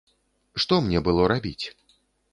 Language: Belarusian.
Што мне было рабіць?